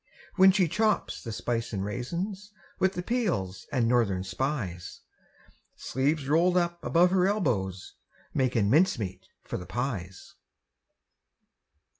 When she chops the spice an' raisins, With the peels an' Northern Spies, Sleeves rolled up above her elbows, Makin' mincemeat for the pies.